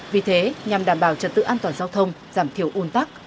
vì thế nhằm đảm bảo trật tự an toàn giao thông giảm thiểu un tắc